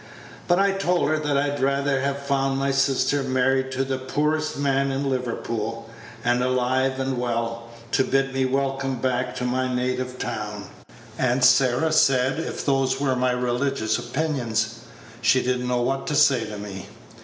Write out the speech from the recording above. But I told her that I'd rather have found my sister married to the poorest man iu Liverpool, and alive and well, to bid me welcome back to my native town. Aunt Sarah said if those were my religious opinions, she did n't know what to say to me.